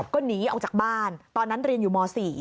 ก็หนีออกจากบ้านตอนนั้นเรียนอยู่ม๔